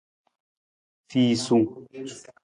Fiisung.